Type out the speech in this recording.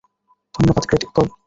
ধন্যবাদ, great eagle.